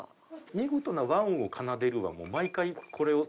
「見事な和音を奏でる」はもう毎回これを。